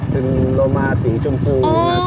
จึงโรม่าสีชมพู